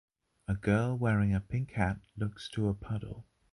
A girl wearing a pink hat looks to a puddle.